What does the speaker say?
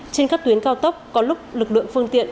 trên các tuyến cao tốc có lúc lực lượng phương tiện